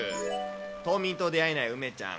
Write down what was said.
島民と出会えない梅ちゃん。